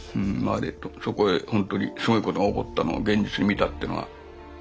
そこでほんとにすごいことが起こったのを現実に見たってのは。